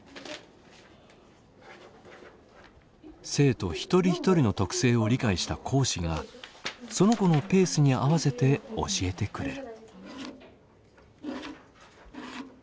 生徒一人一人の特性を理解した講師がその子のペースに合わせて教えてくれる。